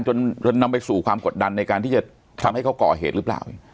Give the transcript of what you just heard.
จนนำไปสู่ความกดดันในการที่จะทำให้เขาก่อเหตุหรือเปล่า